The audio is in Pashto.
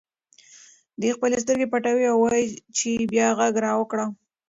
دی خپلې سترګې پټوي او وایي چې بیا غږ راوکړه.